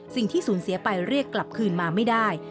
สิ่งที่สูญเสียไปเรียกกลับคืนมาไม่ได้